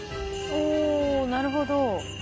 おなるほど。